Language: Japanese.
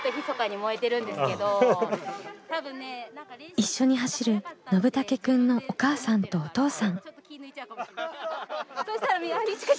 一緒に走るのぶたけくんのお母さんとお父さん。